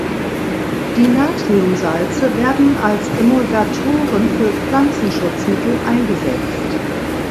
Die Natriumsalze werden als Emulgatoren für Pflanzenschutzmittel eingesetzt.